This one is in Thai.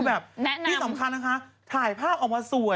ที่สำคัญนะคะถ่ายภาพออกมาสวย